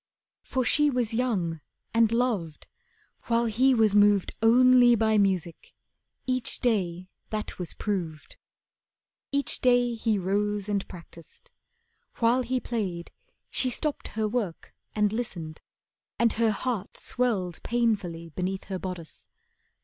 For she was young, and loved, while he was moved Only by music. Each day that was proved. Each day he rose and practised. While he played, She stopped her work and listened, and her heart Swelled painfully beneath her bodice.